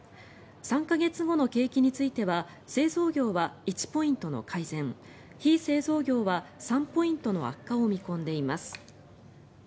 ３か月後の景気については製造業は１ポイントの改善非製造業は３ポイントの悪化を見込んでいます。